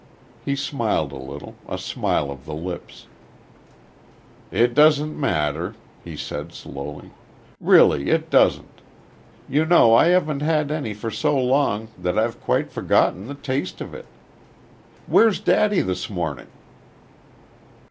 He smiled a little a smile of the lips. "It doesn't matter," he said, slowly. "Really it doesn't. You know I haven't had any for so long that I've quite forgotten the taste of it.... Where's daddy this morning?"